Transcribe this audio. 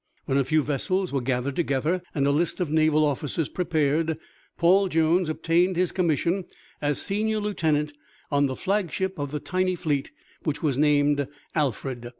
When a few vessels were gathered together and a list of naval officers prepared, Paul Jones obtained his commission as Senior Lieutenant on the flagship of the tiny fleet, which was named Alfred.